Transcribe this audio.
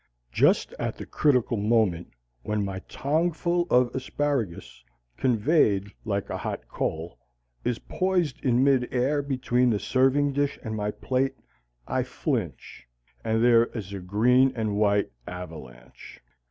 Just at the critical moment when my tongful of asparagus, conveyed like a hot coal, is poised in mid air between the serving dish and my plate, I flinch, and there is a green and white avalanche.